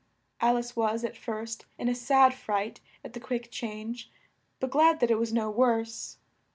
Al ice was, at first, in a sad fright at the quick change, but glad that it was no worse.